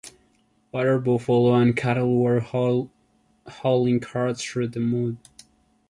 Water buffalo and cattle were hauling carts through the mud.